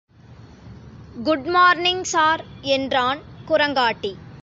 Good morning sir! என்றான் குரங்காட்டி.